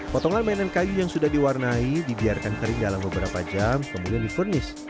potongan mainan kayu yang sudah diwarnai dibiarkan kering dalam beberapa jam kemudian difurnish